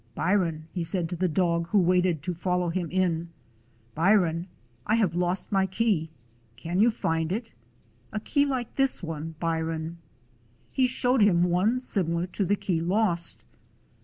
"Byron," he said to the dog, who stood wait ing to follow him in; "Byron, I have lost my key. Can you find it? A key like this one, Byron." He showed him one similar to the key lost.